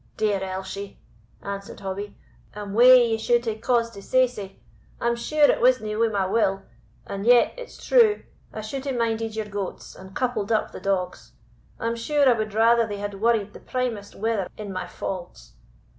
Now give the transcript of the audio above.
"Dear Elshie," answered Hobbie, "I'm wae ye suld hae cause to say sae; I'm sure it wasna wi' my will. And yet, it's true, I should hae minded your goats, and coupled up the dogs. I'm sure I would rather they had worried the primest wether in my faulds.